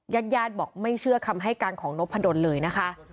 ยัดยัดบอกไม่เชื่อคำให้กันของนบพันธ์เลยนะคะ